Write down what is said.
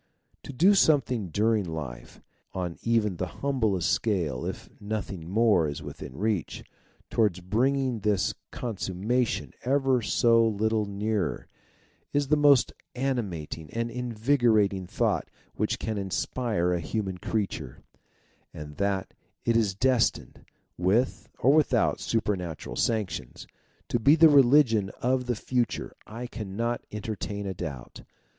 To do something during life, on even the humblest scale if nothing GENERAL RESULT 257 more is within reach, towards bringing this con summation ever so little nearer, is the most animating and invigorating thought which can inspire a human creature ; and that it is destined, with or without supernatural sanctions, to be the religion of the Future I cannot entertain a doubt.